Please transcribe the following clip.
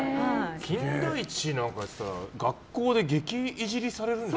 「金田一」なんかやってたら学校で激イジりされるんじゃ？